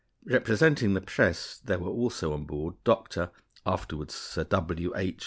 Representing the press there were also on board Dr. (afterward Sir W. H.)